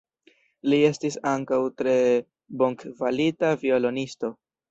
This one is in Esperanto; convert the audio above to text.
Li estis ankaŭ tre bonkvalita violonisto.